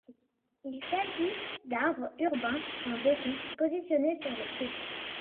Il s'agit d'arbres urbains en béton positionnés sur les quais.